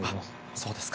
そうですか。